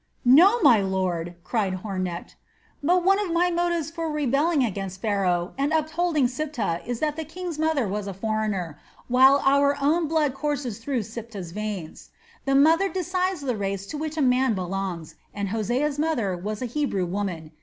"No, my lord!" cried Hornecht. "But one of my motives for rebelling against Pharaoh and upholding Siptah is that the king's mother was a foreigner, while our own blood courses through Siptah's veins. The mother decides the race to which a man belongs, and Hosea's mother was a Hebrew woman.